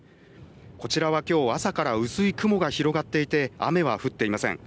こちらはきょう朝から薄い雲が広がっていて雨は降っていません。